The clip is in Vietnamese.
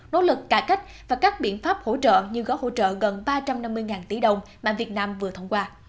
nỗ lực cải cách và các biện pháp hỗ trợ như gói hỗ trợ gần ba trăm năm mươi tỷ đồng mà việt nam vừa thông qua